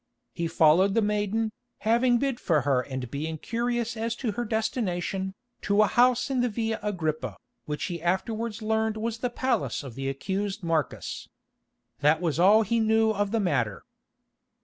He followed the maiden, having bid for her and being curious as to her destination, to a house in the Via Agrippa, which he afterwards learned was the palace of the accused Marcus. That was all he knew of the matter.